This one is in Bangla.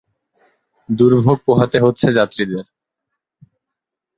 দুর্ভোগ পোহাতে হচ্ছে যাত্রীদের।